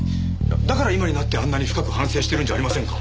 だから今になってあんなに深く反省しているんじゃありませんか。